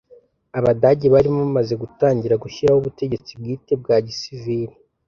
Abadage bari bamaze gutangira gushyiraho ubutegetsi bwite bwa gisiviri: